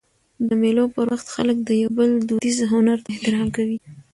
د مېلو پر وخت خلک د یو بل دودیز هنر ته احترام کوي.